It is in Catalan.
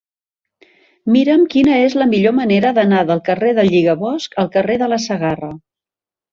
Mira'm quina és la millor manera d'anar del carrer del Lligabosc al carrer de la Segarra.